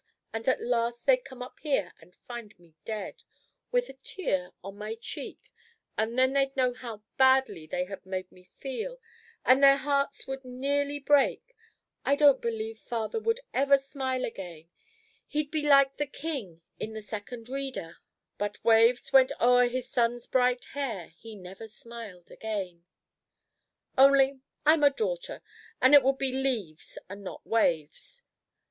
And at last they'd come up here, and find me dead, with a tear on my cheek, and then they'd know how badly they had made me feel, and their hearts would nearly break. I don't believe father would ever smile again. He'd be like the king in the 'Second Reader': 'But waves went o'er his son's bright hair, He never smiled again.' Only, I'm a daughter, and it would be leaves and not waves!